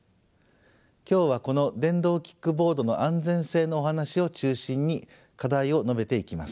今日はこの電動キックボードの安全性のお話を中心に課題を述べていきます。